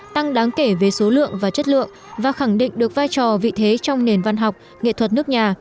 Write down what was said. tăng đáng kể về số lượng và chất lượng và khẳng định được vai trò vị thế trong nền văn học nghệ thuật nước nhà